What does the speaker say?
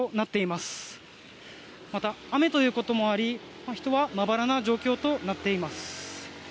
また、雨ということもあり、人はまばらな状況となっています。